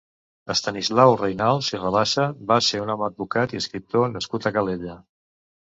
Estanislau Reynals i Rabassa va ser un advocat i escriptor nascut a Calella.